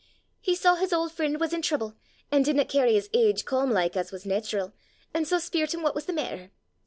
He saw his auld freen' was in trouble, an' didna cairry his age calm like as was nait'ral, an' sae speirt him what was the maitter.